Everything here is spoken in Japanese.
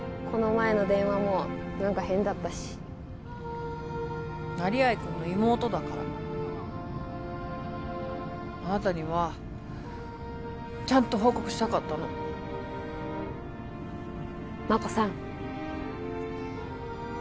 この前の電話も何か変だったし成合くんの妹だからあなたにはちゃんと報告したかったの真子さん